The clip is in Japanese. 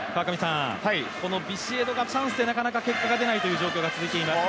このビシエドがチャンスでなかなか結果が出ない状況が続いています。